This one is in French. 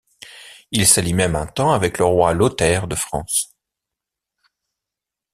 Il s'allie même un temps avec le roi Lothaire de France.